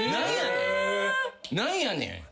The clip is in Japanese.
何やねん。